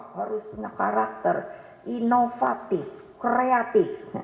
harusnya karakter inovatif kreatif